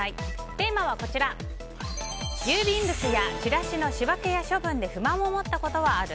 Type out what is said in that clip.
テーマは、郵便物やチラシの仕分けや処分で不満を持ったことはある？